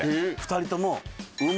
２人とも。